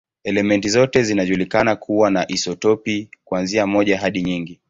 Elementi zote zinajulikana kuwa na isotopi, kuanzia moja hadi nyingi.